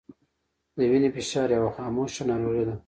د وینې فشار یوه خاموشه ناروغي ده